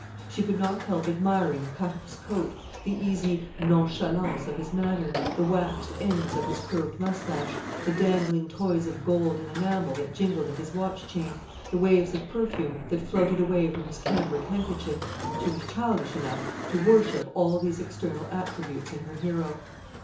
She could not help admiring the cut of his coat, the easy nonchalance of his manner, the waxed ends of his curved moustache, the dangling toys of gold and enamel that jingled at his watch chain, the waves of perfume that floated away from his cambric handkerchief. She was childish enough to worship all these external attributes in her hero.